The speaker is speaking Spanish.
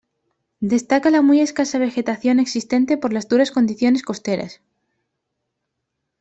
Destaca la muy escasa vegetación existente por las duras condiciones costeras.